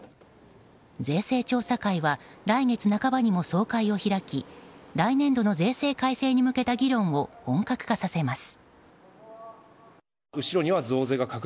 税制調査会は来月半ばにも総会を開き来年度の税制改正に向けた議論を本格化させます。